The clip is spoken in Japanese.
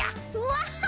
ワッハ！